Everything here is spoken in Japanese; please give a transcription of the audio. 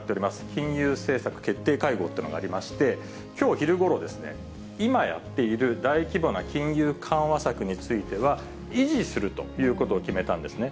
金融政策決定会合というのがありまして、きょう昼ごろ、今やっている大規模な金融緩和策については、維持するということを決めたんですね。